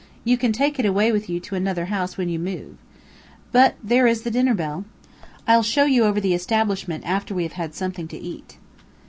You can take it away with you to another house when you move. But there is the dinner bell. I'll show you over the establishment after we have had something to eat."